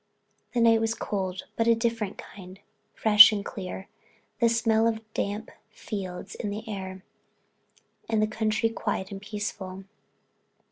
The night was cold, but a different kind; fresh and clear, the smell of the damp fields in the air, and the country quiet and peaceful.